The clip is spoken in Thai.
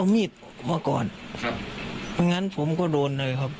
เพราะงั้นผมก็โดนเลยครับ